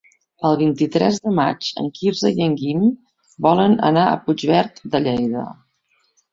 El vint-i-tres de maig en Quirze i en Guim volen anar a Puigverd de Lleida.